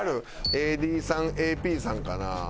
ＡＤさんＡＰさんかな。